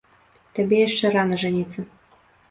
Табе яшчэ рана жаніцца.